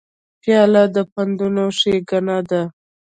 پیاله د پندونو ښیګڼه ده.